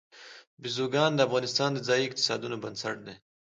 بزګان د افغانستان د ځایي اقتصادونو بنسټ دی.